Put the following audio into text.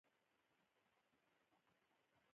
نجونې به تر هغه وخته پورې ذهني وده کوي.